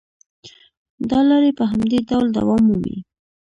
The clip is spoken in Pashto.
دا لړۍ په همدې ډول دوام مومي